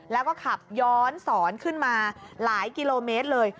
แล้วก็ขับย้อนสอนขึ้นมาหลายกิโลเมตรเลย